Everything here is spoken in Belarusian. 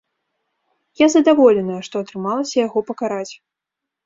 Я задаволеная, што атрымалася яго пакараць.